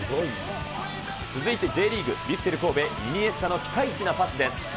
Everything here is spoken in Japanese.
続いてＪリーグ・ヴィッセル神戸、イニエスタのピカイチなパスです。